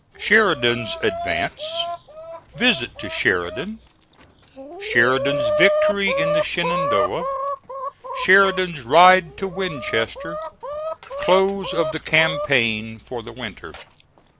SHERIDAN'S ADVANCE VISIT TO SHERIDAN SHERIDAN'S VICTORY IN THE SHENANDOAH SHERIDAN'S RIDE TO WINCHESTER CLOSE OF THE CAMPAIGN FOR THE WINTER.